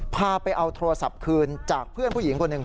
พาไปเอาโทรศัพท์คืนจากเพื่อนผู้หญิงคนหนึ่ง